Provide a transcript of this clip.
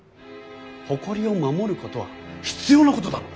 誇りを守ることは必要なことだろう。